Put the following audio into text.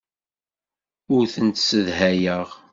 Ur tent-ssedhayeɣ.